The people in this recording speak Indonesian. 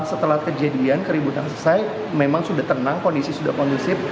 setelah kejadian keributan selesai memang sudah tenang kondisi sudah kondusif